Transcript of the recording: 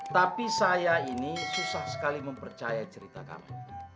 tapi saya ini susah sekali mempercaya cerita kamu